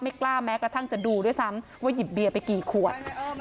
กล้าแม้กระทั่งจะดูด้วยซ้ำว่าหยิบเบียร์ไปกี่ขวด